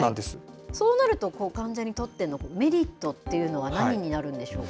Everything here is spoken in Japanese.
そうなると、患者にとってのメリットっていうのは何になるんでしょうか。